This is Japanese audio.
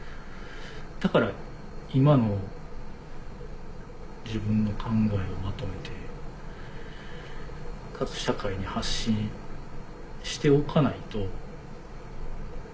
だから今の自分の考えをまとめてかつ社会に発信しておかないと。